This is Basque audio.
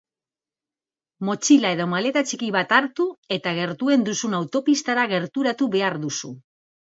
Motxila edo maleta txiki bat hartu eta gertuen duzun autopistara gerturatu behar duzu.